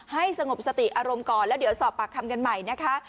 สงบสติอารมณ์ก่อนแล้วเดี๋ยวสอบปากคำกันใหม่นะคะ